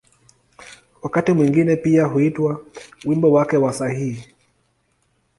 Wakati mwingine pia huitwa ‘’wimbo wake wa sahihi’’.